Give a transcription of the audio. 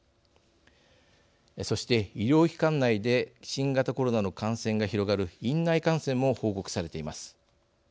そして医療機関内で新型コロナの感染が広がる院内感染も報告されています。